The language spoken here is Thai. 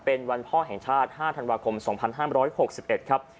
เป็นวันพ่อแห่งชาติ๕ธันวาคม๒๕๖๑ครับ